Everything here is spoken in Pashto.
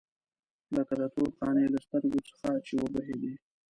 لکه د تور قانع له سترګو څخه چې وبهېدې.